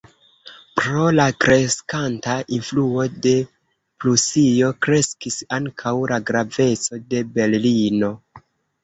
Pro la kreskanta influo de Prusio kreskis ankaŭ la graveco de Berlino.